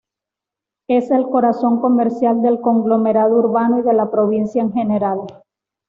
Es el corazón comercial del conglomerado urbano y de la provincia en general.